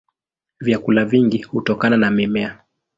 Vyakula vingi hutokana na mimea.